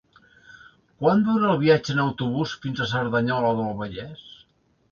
Quant dura el viatge en autobús fins a Cerdanyola del Vallès?